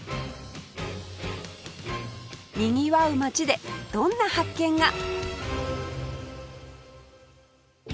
賑わう街でどんな発見が？